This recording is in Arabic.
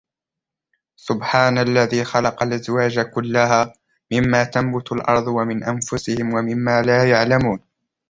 سبحان الذي خلق الأزواج كلها مما تنبت الأرض ومن أنفسهم ومما لا يعلمون